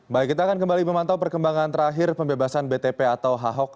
baik kita akan kembali memantau perkembangan terakhir pembebasan btp atau ahok